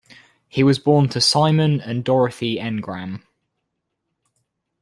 He was born to Simon and Dorothy Engram.